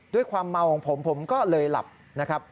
ด้วยความเมาของผมผมก็เลยหลับนะครับ